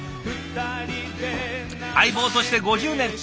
相棒として５０年。